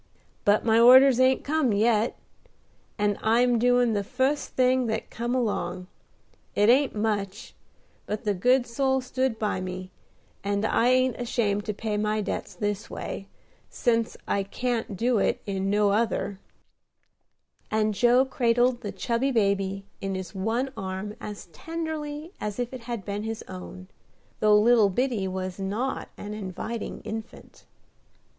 But my orders ain't come yet, and I am doing the fust thing that come along. It ain't much, but the good soul stood by me, and I ain't ashamed to pay my debts this way, sence I can't do it in no other;" and Joe cradled the chubby baby in his one arm as tenderly as if it had been his own, though little Biddy was not an inviting infant.